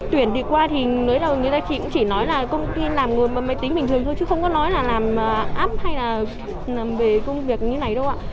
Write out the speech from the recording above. tuyển đi qua thì người ta chỉ nói là công ty làm người bằng máy tính bình thường thôi chứ không có nói là làm app hay là làm về công việc như thế này đâu ạ